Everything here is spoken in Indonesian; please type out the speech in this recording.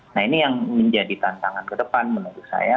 nah ini yang menjadi tantangan kedepan menurut saya